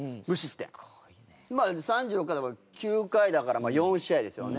３６回だから９回だから４試合ですよね。